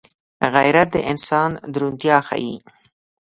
غیرت د انسان درونتيا ښيي